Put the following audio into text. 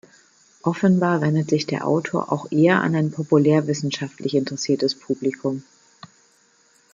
Offenbar wendet sich der Autor auch eher an ein populärwissenschaftlich interessiertes Publikum.